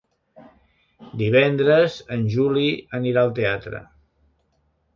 Divendres en Juli anirà al teatre.